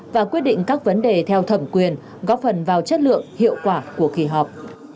và quyết định các vấn đề theo thẩm quyền góp phần vào chất lượng hiệu quả của kỳ họp